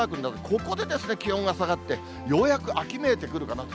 ここでですね、気温が下がって、ようやく秋めいてくるかなと。